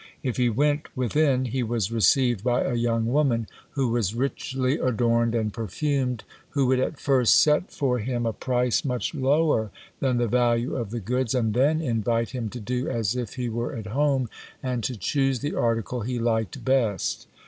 If he went within, he was received by a young woman who was richly adorned and perfumed, who would at first set for him a price much lower than the value of the goods, and then invite him to do as if he were at home, and to choose the article he liked best.